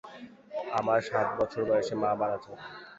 আমার সাত বছর বয়সে মা মারা যান।